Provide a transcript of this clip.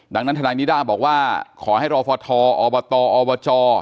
ดังนั้นทนายนิด้าบอกว่าขอให้รอฟทอบตอบจ